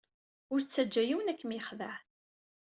Ur ttaǧǧa yiwen ad kem-yexdeɛ.